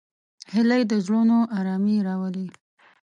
هیلۍ د زړونو آرامي راولي